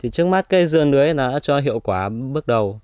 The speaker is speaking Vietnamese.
trước mắt cây dưa nưới đã cho hiệu quả bước đầu